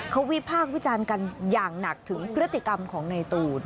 เขาวิพากษ์วิจารณ์กันอย่างหนักถึงพฤติกรรมของในตูน